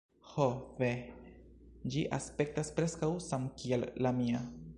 "Ho, ve. Ĝi aspektas preskaŭ samkiel la mia!"